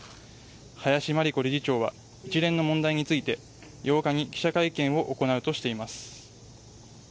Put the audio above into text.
林真理子理事長は一連の問題について８日に記者会見を行うとしています。